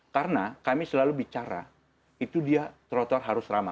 karena kami selalu bicara itu dia trotoar harus ramah